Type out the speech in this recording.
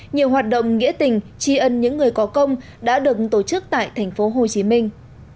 nhiều hoạt động nghĩa tình tri ân những người có công đã được tổ chức tại thành phố hồ chí minh